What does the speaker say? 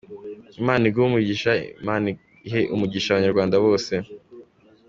Imana iguhe umugisha, Imana ihe umugisha Abanyarwanda bose.